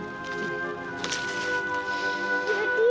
gak akan kembali lagi